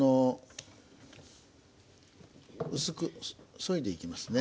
薄くそいでいきますね。